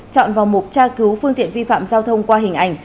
chọn vào mục tra cứu phương tiện vi phạm giao thông qua hình ảnh